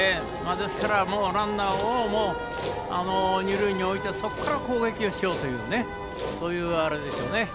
ですからランナーを二塁に置いてそこから攻撃をしようというそういうあれですよね。